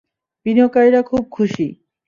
বিনিয়োগকারীরা খুব খুশি।